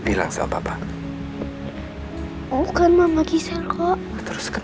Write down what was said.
apa alasan kamu nggak mau tinggal di sini di rumah bapak ya